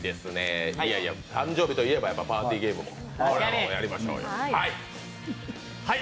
誕生日といえばパーティーゲームということでやりましょうよ。